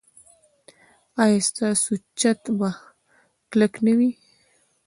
ایا ستاسو چت به کلک نه وي؟